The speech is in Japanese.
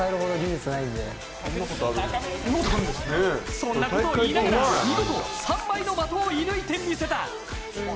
そんなことを言いながら見事３枚の的を射ぬいてみせた。